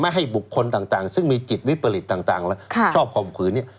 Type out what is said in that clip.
ให้บุคคลต่างซึ่งมีจิตวิปริตต่างและชอบข่มขืนเนี่ย